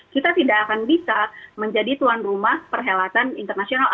kita tidak akan bisa menjadi tuan rumah perhelatan internasional